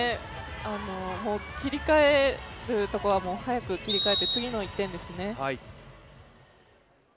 切り替えるところは早く切り替えて次の１点ですね。